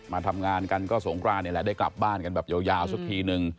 มาทำงานกันก็สงครานนี่แหละได้กลับบ้านกันแบบยาวสักทีนึง